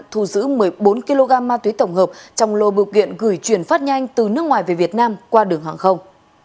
thu giữ một mươi bốn kg ma túy tổng hợp trong lô bưu kiện gửi chuyển phát nhanh từ nước ngoài về việt nam qua đường hàng không